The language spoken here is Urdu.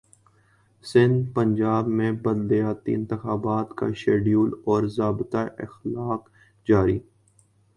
سندھپنجاب میں بلدیاتی انتخابات کاشیڈول اور ضابطہ اخلاق جاری